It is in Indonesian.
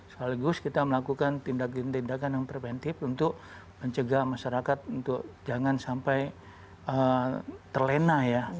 sekaligus kita melakukan tindakan tindakan yang preventif untuk mencegah masyarakat untuk jangan sampai terlena ya